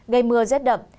gây mưa rất đậm